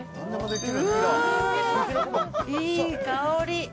いい香り！